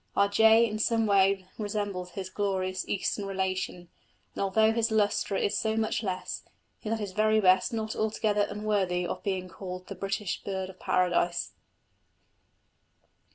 Our jay in some ways resembles his glorious Eastern relation; and although his lustre is so much less, he is at his very best not altogether unworthy of being called the British Bird of Paradise.